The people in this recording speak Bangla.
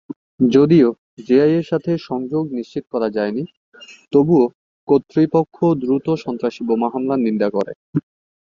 যদিও জেআই-এর সাথে সংযোগ নিশ্চিত করা যায়নি, তবুও কর্তৃপক্ষ দ্রুত সন্ত্রাসী বোমা হামলার নিন্দা করে।